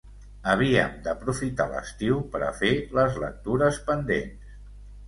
Havíem d’aprofitar l’estiu per a fer les lectures pendents...